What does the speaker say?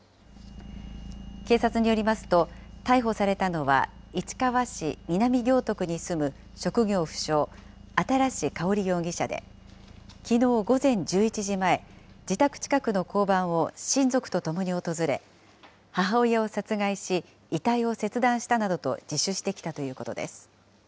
警察によりますと、逮捕されたのは、市川市南行徳に住む職業不詳、新かほり容疑者で、きのう午前１１時前、自宅近くの交番を親族と共に訪れ、母親を殺害し、遺体を切断したなどと自首してきたということです。